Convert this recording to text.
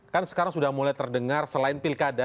kan sekarang sudah mulai terdengar selain pilkada